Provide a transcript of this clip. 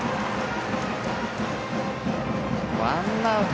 ワンアウト。